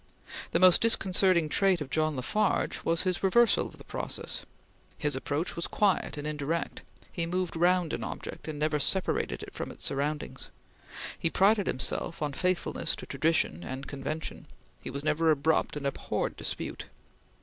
The most disconcerting trait of John La Farge was his reversal of the process. His approach was quiet and indirect; he moved round an object, and never separated it from its surroundings; he prided himself on faithfulness to tradition and convention; he was never abrupt and abhorred dispute.